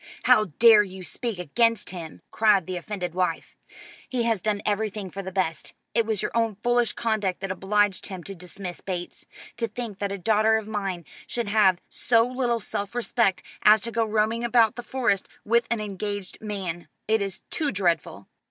"How dare you speak against him!" cried the offended wife. "He has done everything for the best. It was your own foolish conduct that obliged him to dismiss Bates. To think that a daughter of mine should have so little self respect as to go roaming about the Forest with an engaged man! It is too dreadful."